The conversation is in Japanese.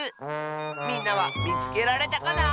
みんなはみつけられたかな？